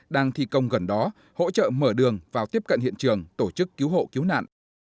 đang thi công gần đó hỗ trợ mở đường vào tiếp cận hiện trường tổ chức cứu hộ cứu nạn